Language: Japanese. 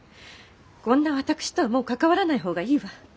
こんな私とはもう関わらない方がいいわ。